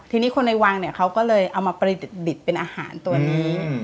ทีนี้คนในวังเนี่ยเขาก็เลยเอามาประดิษฐ์เป็นอาหารตัวนี้